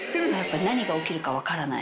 何が起きるか分からない